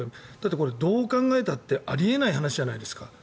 だってこれ、どう考えたってあり得ない話じゃないですか。